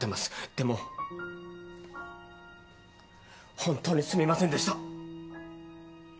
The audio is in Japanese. でも本当にすみませんでした。